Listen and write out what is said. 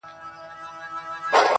ستا د حسن ترانه وای-